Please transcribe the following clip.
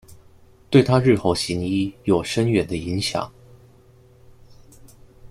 对她日后行医有深远的影响。